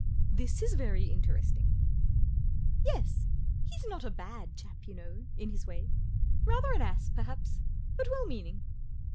" This is very interesting." " Yes. He's not a bad chap, you know, in his way. Rather an ass, perhaps, but well meaning.